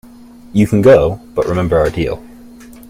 You can go, but remember our deal.